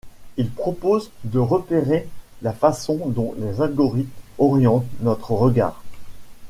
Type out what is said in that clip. Ils proposent de repérer la façon dont les algorithmes orientent notre regard.